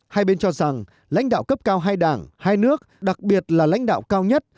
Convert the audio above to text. hai bên cho rằng lãnh đạo cấp cao hai đảng hai nước đặc biệt là lãnh đạo cao nhất